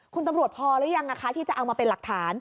คุณตำรวจพอหรือยังที่จะเอามาเป็นหลักฐาน